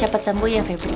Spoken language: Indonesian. cepat sembuh ya febri